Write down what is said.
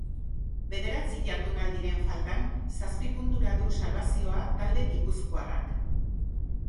Bederatzi jardunaldiren faltan, zazpi puntura du salbazio talde gipuzkoarrak.